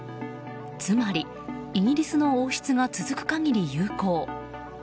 つまり、イギリスの王室が続く限り有効。